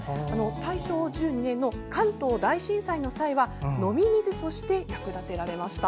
大正１２年の関東大震災の際は飲み水として役立てられました。